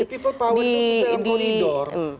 people power itu harus dalam koridor